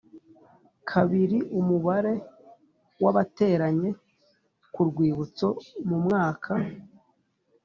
kabiri Umubare w abateranye ku Rwibutso mu mwaka